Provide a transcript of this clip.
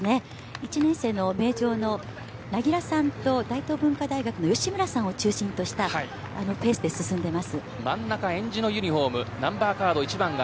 １年生の名城の柳樂さんと大東文化大学の吉村さんを中心としたペースで進んでいます。